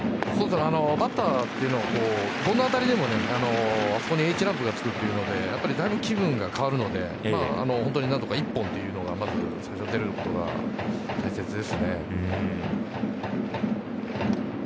バッターというのはどんな当たりでもＨランプがつくというのでだいぶ気分が変わるので本当に何とか１本というのが最初に出るのが大切ですね。